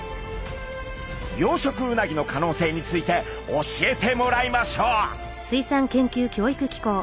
養殖うなぎの可能性について教えてもらいましょう！